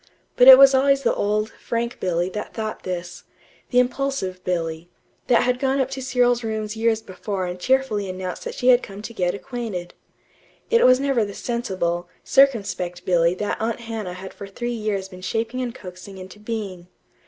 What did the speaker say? But it was always the old, frank Billy that thought this; the impulsive Billy, that had gone up to Cyril's rooms years before and cheerfully announced that she had come to get acquainted. It was never the sensible, circumspect Billy that Aunt Hannah had for three years been shaping and coaxing into being.